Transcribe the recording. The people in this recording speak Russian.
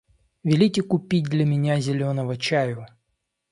Велите купить для меня зеленого чаю.